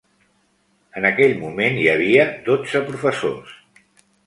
En aquell moment, hi havia dotze professors.